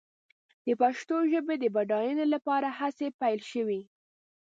د پښتو ژبې د بډاینې لپاره هڅې پيل شوې.